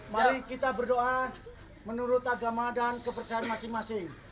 mari kita berdoa menurut agama dan kepercayaan masing masing